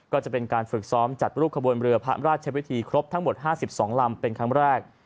ก็จะเป็นการฝึกซ้อมจัดรูปขบวนเรือพระราชวิธีครบทั้งหมด๕๒ลำเป็นครั้งแรก